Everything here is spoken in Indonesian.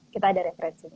kita ada referensi